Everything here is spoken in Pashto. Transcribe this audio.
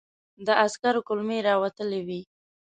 د عسکر کولمې را وتلې وې.